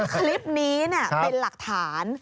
คลิปนี้เป็นหลักฐาน